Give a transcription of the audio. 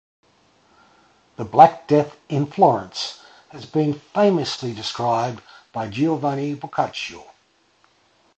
The Black Death in Florence has been famously described by Giovanni Boccaccio.